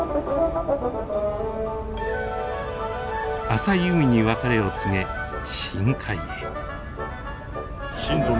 浅い海に別れを告げ深海へ。